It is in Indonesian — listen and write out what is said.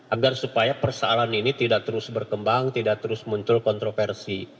agar supaya persoalan ini tidak terus berkembang tidak terus muncul kontroversi